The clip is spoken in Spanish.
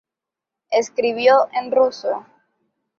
Escribió en ruso.